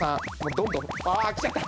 どんどんああきちゃった。